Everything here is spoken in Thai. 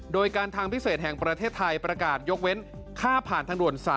โดยการทางพิเศษแห่งประเทศไทยประกาศยกเว้นค่าผ่านทางด่วน๓